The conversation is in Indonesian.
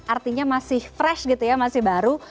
artinya masih fresh gitu ya masih baru